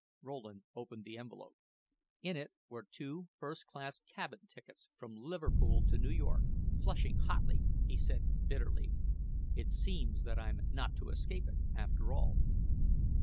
Rowland opened the envelope. In it were two first cabin tickets from Liverpool to New York. Flushing hotly, he said, bitterly: "It seems that I'm not to escape it, after all."